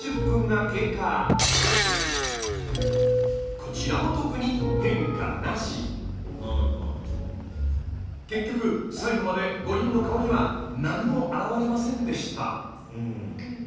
こちらも特に結局最後まで５人の顔には何もあらわれませんでした。